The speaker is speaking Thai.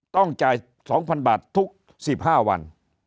ต้องจ่าย๒๐๐๐บาททุก๑๕วัน